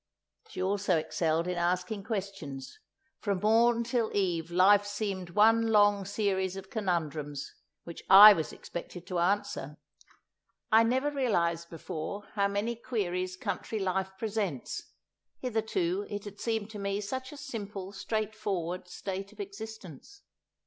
She also excelled in asking questions; from morn till eve life seemed one long series of conundrums which I was expected to answer. I never realized before how many queries country life presents; hitherto it had seemed to me such a simple, straightforward state of existence.